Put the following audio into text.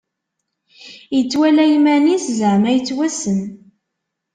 Ittwala iman-is zeɛma yettwassen.